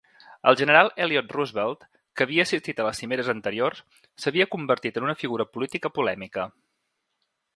El general Elliott Roosevelt, que havia assistit a les cimeres anteriors, s'havia convertit en una figura política polèmica.